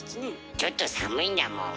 ちょっと寒いんだもん。